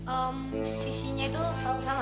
ehm sisinya itu selalu sama